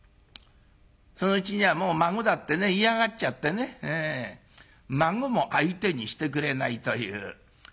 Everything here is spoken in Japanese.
そのうちにはもう孫だってね嫌がっちゃってね孫も相手にしてくれないという。